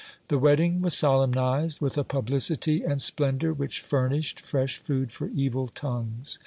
The wedding was solemnized with a publicity and splendour which furnished fresh food for evil tongues.